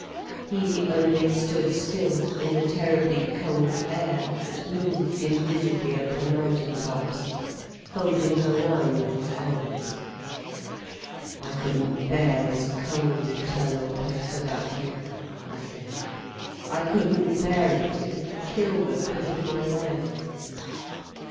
He only stood still, in the terribly cold air that moved invisibly over the mountain tops, folding her round with his arms. "I couldn't bear this cold, eternal place without you," he said. "I couldn't bear it, it would kill the quick of my life."